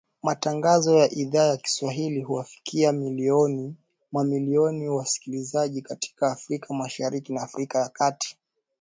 Matangazo ya Idhaa ya Kiswahili huwafikia mamilioni ya wasikilizaji katika Afrika Mashariki na Afrika ya kati .